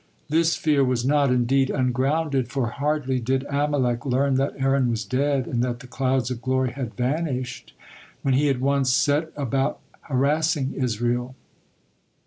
This fear was not, indeed, ungrounded, for hardly did Amalek learn that Aaron was dead and that the clouds of glory had vanished, when he at once set about harassing Israel.